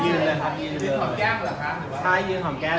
ก็คือเจ้าเม่าคืนนี้